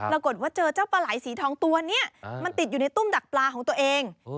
ปรากฏว่าเจอเจ้าปลาไหลสีทองตัวนี้มันติดอยู่ในตุ้มดักปลาของตัวเอง